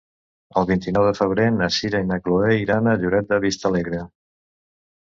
El vint-i-nou de febrer na Sira i na Chloé iran a Lloret de Vistalegre.